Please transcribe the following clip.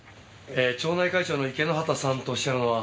町内会長の池之端さんとおっしゃるのは？